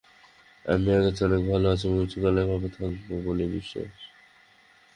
আমি আগের চেয়ে অনেক ভাল আছি এবং কিছুকাল এভাবে থাকব বলেই বিশ্বাস।